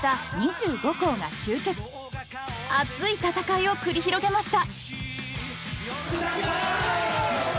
熱い戦いを繰り広げました。